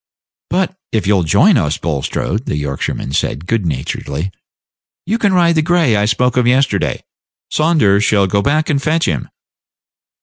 "But if you'll join us, Bulstrode," the Yorkshireman said, good naturedly, "you can ride the gray I spoke of yesterday. Saunders shall go back and fetch him."